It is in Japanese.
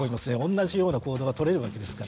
同じような行動がとれるわけですから。